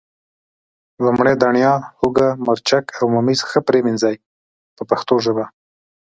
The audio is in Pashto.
لومړی دڼیا، هوګه، مرچک او ممیز ښه پرېمنځئ په پښتو ژبه.